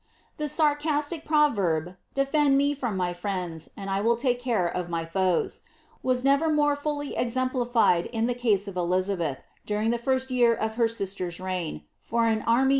The sarcastic proverb, ^ defend mc from my friends, and I will take care of my foes," was never more fully exemplified than in the case of Elizabeth, during the first year of her sister's reign, for an army of de ' Noailles.